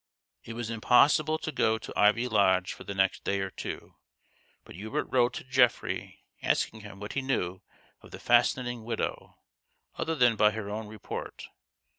It was impossible to go to Ivy Lodge for the THE GHOST OF THE PAST. 179 next day or two, but Hubert wrote to Geoffrey asking him what he knew of the fascinating widow, other than by her own report